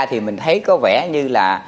thì mình thấy có vẻ như là